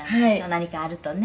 「何かあるとね。